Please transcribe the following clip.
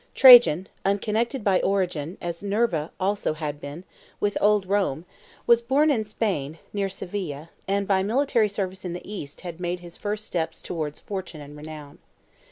Trajan, unconnected by origin, as Nerva also had been, with old Rome, was born in Spain, near Seville, and by military service in the East had made his first steps towards fortune and renown.